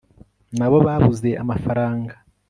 nabo, babuze amafaranga